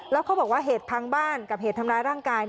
แล้วเขาบอกว่าเหตุพังบ้านกับเหตุทำร้ายร่างกาย